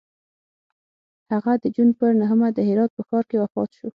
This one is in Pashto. هغه د جون پر نهمه د هرات په ښار کې وفات شو.